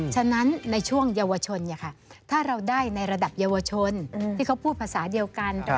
ฉะนั้นในช่วงเยาวชนถ้าเราได้ในระดับเยาวชนที่เขาพูดภาษาเดียวกัน